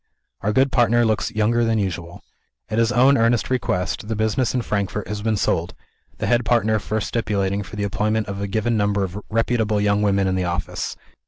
Our good partner looks younger than usual. At his own earnest request, the business in Frankfort has been sold; the head partner first stipulating for the employment of a given number of reputable young women in the office.